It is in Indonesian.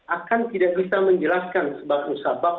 akan tidak bisa menjelaskan sebab musabab